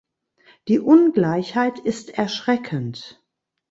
Die Ungleichheit ist erschreckend.